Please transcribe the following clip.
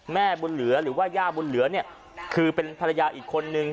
แม่บุญเหลือหรือว่าย่าบุญเหลือเนี่ยคือเป็นภรรยาอีกคนนึง